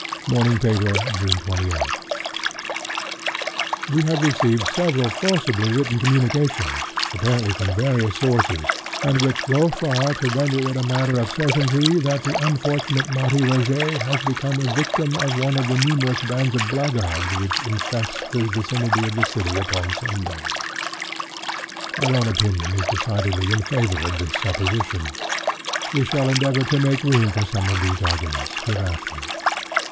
—Morning Paper—June 28. (*21) "We have received several forcibly written communications, apparently from various sources, and which go far to render it a matter of certainty that the unfortunate Marie Rogêt has become a victim of one of the numerous bands of blackguards which infest the vicinity of the city upon Sunday. Our own opinion is decidedly in favor of this supposition. We shall endeavor to make room for some of these arguments hereafter."